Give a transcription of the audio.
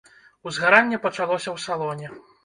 Узгаранне пачалося ў салоне.